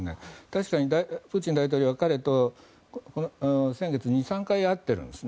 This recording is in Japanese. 確かにプーチン大統領は彼と先月、２３回会ってるんです。